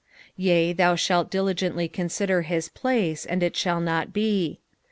" Yea, thmi ihalt diligently eoTutder hi* place, and it shall not be."